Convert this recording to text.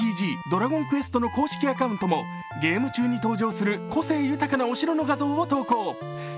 「ドラゴンクエスト」もゲーム中に登場する個性豊かなお城の画像を投稿。